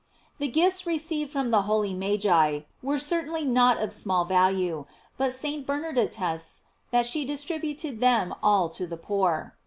* The gifts received from the holy Magi were cer tainly not of small value, but St. Bernard attests that she distributed them all to the poor.